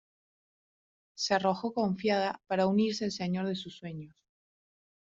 Se arrojó confiada para unirse al señor de sus sueños.